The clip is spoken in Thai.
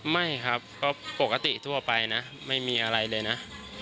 ไม่ครับก็ปกติทั่วไปนะไม่มีอะไรเลยนะ